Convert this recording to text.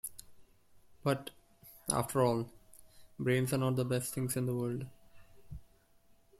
But, after all, brains are not the best things in the world.